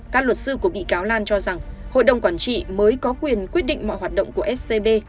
các luật sư của bị cáo lan cho rằng hội đồng quản trị mới có quyền quyết định mọi hoạt động của scb